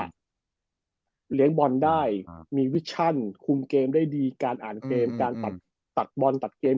เลี้ยงบอลได้มีวิชชั่นคุมเกมได้ดีการอ่านเกมการตัดบอลตัดเกม